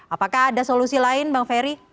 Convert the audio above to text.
apakah ada solusi lain bang ferry